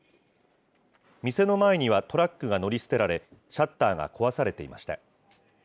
店の前にはトラックが乗り捨てられ、シャッターが壊されていました。